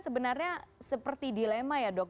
sebenarnya seperti dilema ya dok